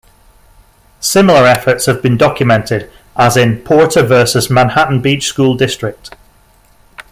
Similar efforts have been documented as in Porter versus Manhattan Beach school District.